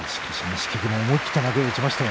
錦木も思い切った投げを打ちました。